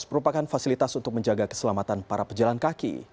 merupakan fasilitas untuk menjaga keselamatan para pejalan kaki